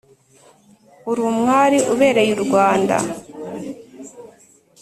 uri umwari ubererye u rwanda